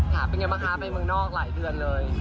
เป็นไงบ้างคะไปเมืองนอกหลายเดือนเลย